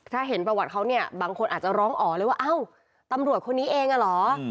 ถ้าเห็นประวัติเขาเนี่ยบางคนอาจจะร้องอ๋อเลยว่าเอ้าตำรวจคนนี้เองอะเหรอ